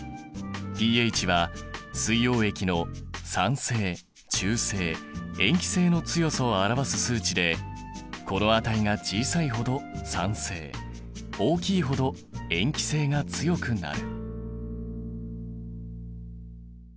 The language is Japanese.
ｐＨは水溶液の酸性中性塩基性の強さを表す数値でこの値が小さいほど酸性大きいほど塩基性が強くなる。